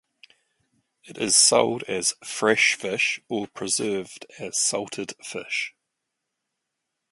It is sold as fresh fish or preserved as salted fish.